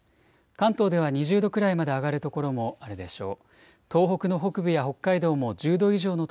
関東では２０度くらいまで上がる所もあるでしょう。